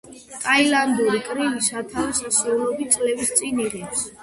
ტაილანდური კრივი სათავეს ასეულობით წლების წინ იღებს.